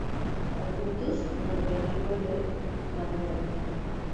Arbutus: nombre antiguo del "madroño".